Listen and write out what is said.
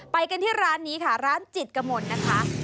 ไปกันที่ร้านนี้ค่ะร้านจิตกมลนะคะ